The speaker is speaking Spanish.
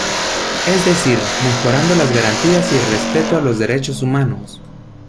Es decir, mejorando las garantías y el respeto a los derechos humanos.